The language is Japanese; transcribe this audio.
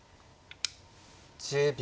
１０秒。